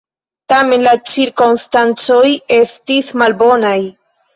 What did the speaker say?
Tamen, la cirkonstancoj estis malbonaj.